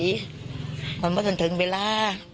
สงสันหนูเนี่ยว่าสงสันหนูเนี่ยมีกระทิแววออกได้จังไหน